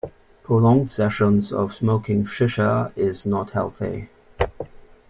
Prolonged sessions of smoking Shisha is not healthy.